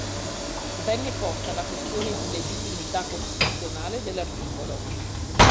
Venne posta la questione di legittimità costituzionale dell'art.